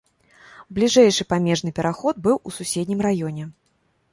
Бліжэйшы памежны пераход быў у суседнім раёне.